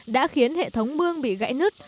đã khiến hệ thống mương bị gãy nứt